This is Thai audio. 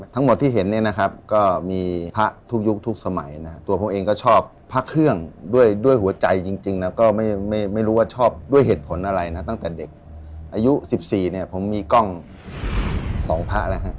ทั้งหมดที่เห็นก็มีพระทุกยุคทุกสมัยตัวผมเองก็ชอบพระเครื่องด้วยหัวใจจริงแล้วก็ไม่รู้ว่าชอบด้วยเหตุผลอะไรตั้งแต่เด็กอายุ๑๔ผมมีกล้อง๒พระ